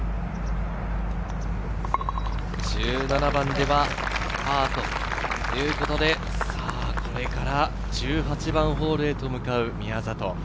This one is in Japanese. １７番ではパーということで、これから１８番ホールへと向かう宮里。